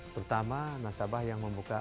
terutama nasabah yang membuka